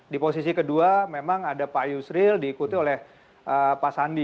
di posisi kedua memang ada pak yusril diikuti oleh pak sandi